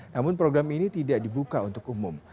namun program ini tidak dibuka untuk umum